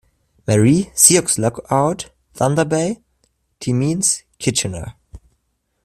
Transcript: Marie, Sioux Lookout, Thunder Bay, Timmins, Kitchener.